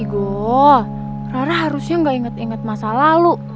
rara harusnya gak inget inget masa lalu